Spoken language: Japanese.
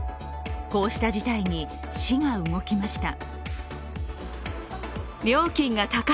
こうした事態に市が動きました。